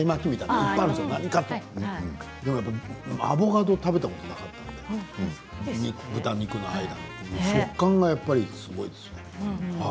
でもアボカドは食べたことなかったので豚肉の間の食感がやっぱりすごいですよね。